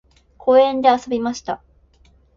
公園で遊びました。